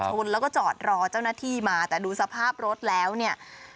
ชนแล้วก็จอดรอเจ้าหน้าที่มาแต่ดูสภาพรถแล้วเนี่ย